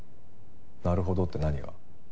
「なるほど」って何が？